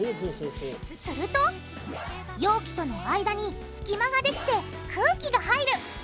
すると容器との間に隙間ができて空気が入る。